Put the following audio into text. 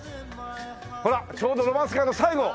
ほらちょうどロマンスカーの最後。